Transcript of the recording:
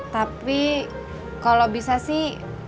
tapi kalau bisa sih